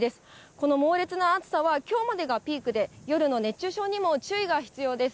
この猛烈な暑さはきょうまでがピークで、夜の熱中症にも注意が必要です。